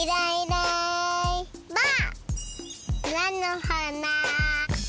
なのはな。